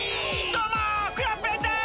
どうもクヨッペンです！